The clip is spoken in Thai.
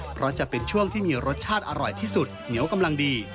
เพราะจะเป็นช่วงที่มีรสชาติอร่อยที่สุดเหนียวกำลังดี